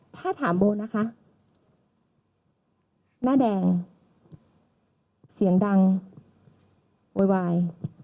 ถ้าถามโบนะคะหน้าแดงเสียงดังวาย